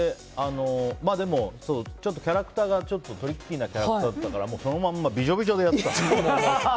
でも、キャラクターがトリッキーなキャラクターだったからそのままビジョビジョでやったの。